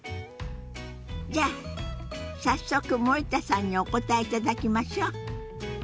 じゃあ早速森田さんにお答えいただきましょう。